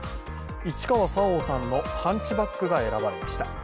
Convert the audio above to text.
市川沙央さんの「ハンチバック」が選ばれました。